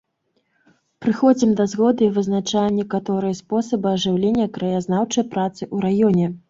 Прыходзім да згоды і вызначаем некаторыя спосабы ажыўлення краязнаўчай працы ў раёне.